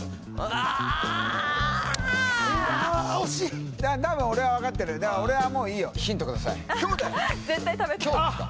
ああっいや惜しい多分俺は分かってるだから俺はもういいよ絶対食べたい「今日」ですか？